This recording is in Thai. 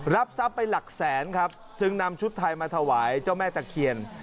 ทรัพย์ไปหลักแสนครับจึงนำชุดไทยมาถวายเจ้าแม่ตะเคียน